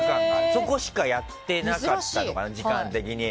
そこしかやってなかったのかな時間的に。